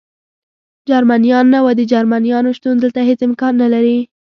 جرمنیان نه و، د جرمنیانو شتون دلته هېڅ امکان نه لري.